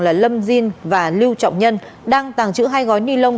là lâm diên và lưu trọng nhân đang tàng trữ hai gói ni lông